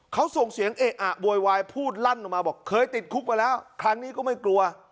เขาส่งเสียงเอะอะโวยวายพูดลั่นออกมาบอกเคยติดคุกมาแล้วครั้งนี้ก็ไม่กลัว